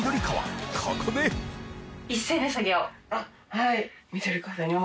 はい。